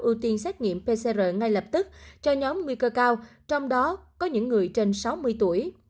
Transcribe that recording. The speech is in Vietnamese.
ưu tiên xét nghiệm pcr ngay lập tức cho nhóm nguy cơ cao trong đó có những người trên sáu mươi tuổi